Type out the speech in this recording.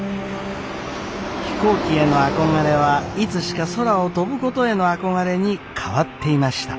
飛行機への憧れはいつしか空を飛ぶことへの憧れに変わっていました。